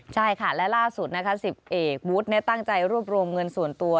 ใช่ค่ะและล่าสุดนะคะ๑๐เอกวุฒิตั้งใจรวบรวมเงินส่วนตัว